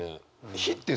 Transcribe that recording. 火ってさ